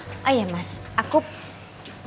aku pulang duluan ya mas karena aku mau lihat